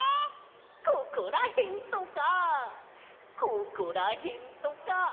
ここらへんとかここらへんとか！